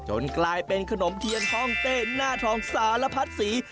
กลายเป็นขนมเทียนห้องเต้หน้าทองสารพัดสี